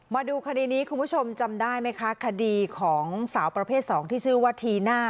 มาดูคดีนี้คุณผู้ชมจำได้ไหมคะคดีของสาวประเภท๒ที่ชื่อว่าทีน่า